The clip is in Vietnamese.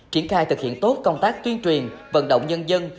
triển khai thực hiện tốt công tác tuyên truyền vận động nhân dân